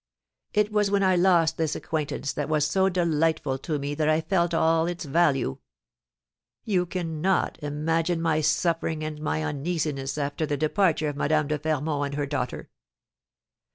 It was when I lost this acquaintance that was so delightful to me that I felt all its value. You cannot imagine my suffering and my uneasiness after the departure of Madame de Fermont and her daughter.